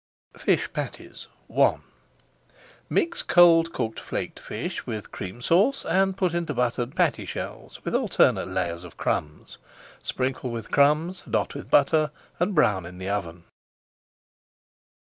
FISH PATTIES I Mix cold cooked flaked fish with Cream Sauce and put into buttered patty shells with alternate layers of crumbs. Sprinkle with crumbs, dot with butter, and brown in the oven.